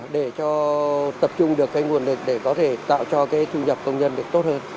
để tập trung được cái nguồn lực để có thể tạo cho cái thu nhập công nhân được tốt hơn